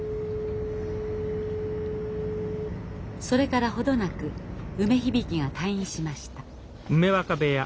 それからほどなく梅響が退院しました。